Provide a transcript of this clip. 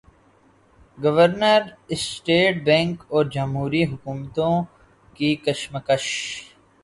governor state bank اور جمہوری حکومتوں کی کشمکش